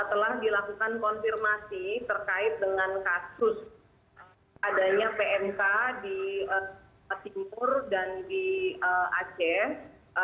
telah dilakukan konfirmasi terkait dengan kasus adanya pmk di timur dan di aceh